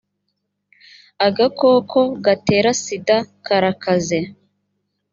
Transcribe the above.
agakoko gatera sida karakaze